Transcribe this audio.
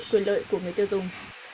quyền lợi của người tiêu dùng